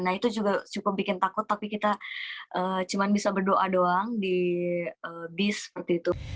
nah itu juga cukup bikin takut tapi kita cuma bisa berdoa doang di bis seperti itu